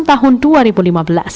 kota malang tahun dua ribu lima belas